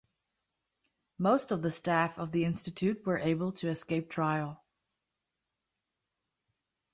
Most of the staff of the Institute were able to escape trial.